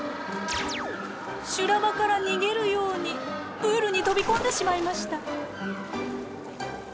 修羅場から逃げるようにプールに飛び込んでしまいました。